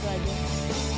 terus harus suka dulu